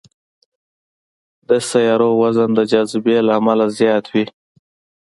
د سیارو وزن د جاذبې له امله زیات وي.